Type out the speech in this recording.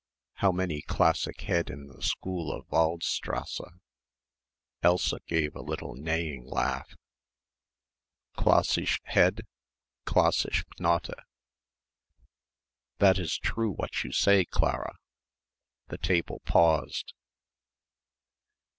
"How many classic head in the school of Waldstrasse?" Elsa gave a little neighing laugh. "Classisch head, classisch Knote." "That is true what you say, Clarah." The table paused.